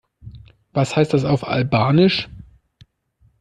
Was heißt das auf Albanisch?